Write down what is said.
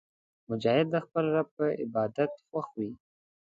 مجاهد د خپل رب په عبادت خوښ وي.